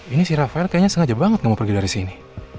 ini si rafael kayaknya sengaja banget gak mau pergi dari sini